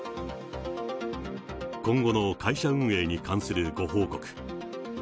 今後の会社運営に関するご報告。